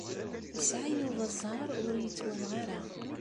Yesɛa Yuba ẓẓheṛ ur yettwanɣa ara.